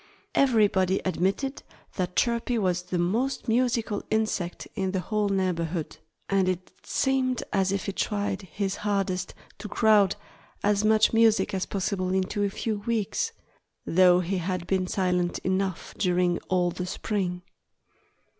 Everybody admitted that Chirpy was the most musical insect in the whole neighborhood. And it seemed as if he tried his hardest to crowd as much music as possible into a few weeks, though he had been silent enough during all the spring.